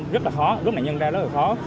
rất là khó